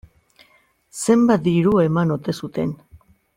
Zenbat diru eman ote zuten?